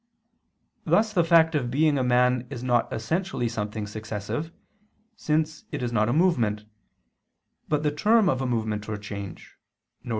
Thus the fact of being a man is not essentially something successive; since it is not a movement, but the term of a movement or change, viz.